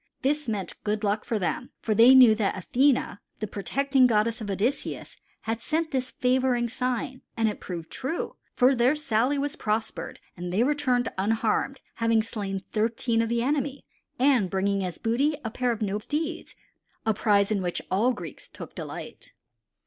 This meant good luck for them, for they knew that Athene, the protecting goddess of Odysseus, had sent this favoring sign, and it proved true, for their sally was prospered and they returned unharmed, having slain thirteen of the enemy, and bringing as booty a noble pair of steeds, a prize in which all Greeks took delight.